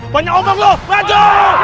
banyak omong loh maju